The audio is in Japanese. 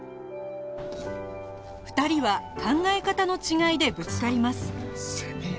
２人は考え方の違いでぶつかります